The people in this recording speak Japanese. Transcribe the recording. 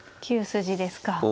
９筋ですか。